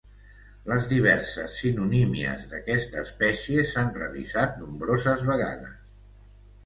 Les diverses sinonímies d'aquesta espècie s'han revisat nombroses vegades.